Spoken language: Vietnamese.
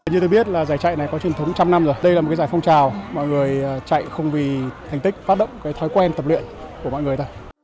như tôi biết là giải chạy này có truyền thống một trăm linh năm rồi đây là một giải phong trào mọi người chạy không vì thành tích phát động cái thói quen tập luyện của mọi người